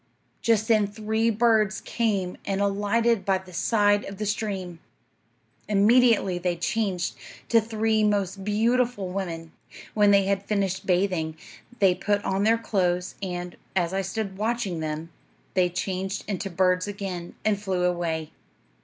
Just then three birds came and alighted by the side of the stream. Immediately they changed to three most beautiful women. When they had finished bathing, they put on their clothes, and, as I stood watching them, they changed into birds again and flew away.